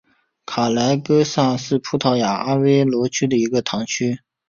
卡雷戈萨是葡萄牙阿威罗区的一个堂区。